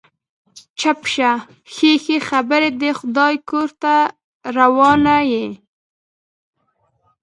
چپ شه، ښې ښې خبرې د خدای کور ته روانه يې.